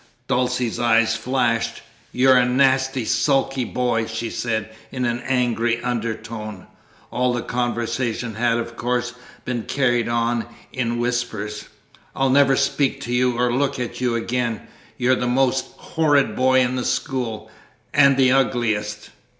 Dulcie's eyes flashed. "You're a nasty sulky boy," she said in an angry undertone (all the conversation had, of course, been carried on in whispers). "I'll never speak to you or look at you again. You're the most horrid boy in the school and the ugliest!"